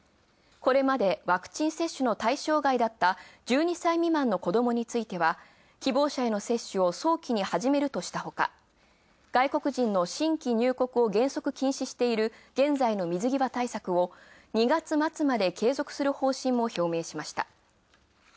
これまでワクチン接種の対象外だった、１２歳未満の子どもについては希望者への接種を早期にはじめるとしたほか、外国人の新規入国を原則禁止している現在の水際対策を２月末まで継続する方針も表明しました。